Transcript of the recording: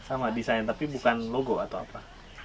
sama desain tapi bukan logo atau apa